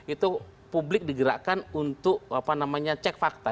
itu publik digerakkan untuk apa namanya check fakta